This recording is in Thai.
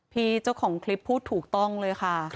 เจ้าของคลิปพูดถูกต้องเลยค่ะ